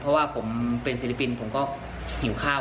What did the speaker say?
เพราะว่าผมเป็นศิลปินผมก็หิวข้าว